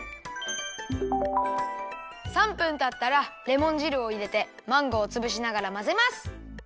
３分たったらレモンじるをいれてマンゴーをつぶしながらまぜます。